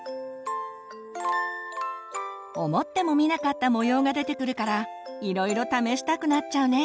思ってもみなかった模様が出てくるからいろいろ試したくなっちゃうね。